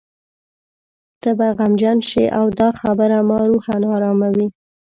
ته به غمجن شې او دا خبره ما روحاً اراموي.